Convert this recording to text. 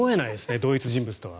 同一人物とは。